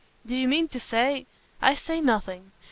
"Do you mean to say " "I say nothing.